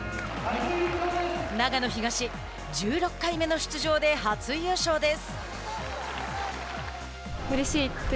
長野東、１６回目の出場で初優勝です。